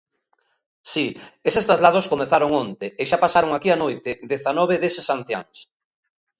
Si, eses traslados comezaron onte, e xa pasaron aquí a noite dezanove deses anciáns.